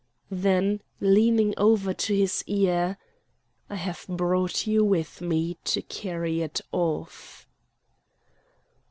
Then leaning over to his ear: "I have brought you with me to carry it off!"